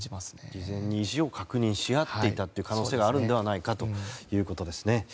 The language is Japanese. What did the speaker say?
事前に意思を確認し合っていた可能性があるのではないかということですね。